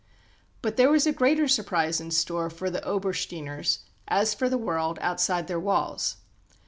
But there was a greater surprise in store for the Obersteiners, as for the world outside their walls.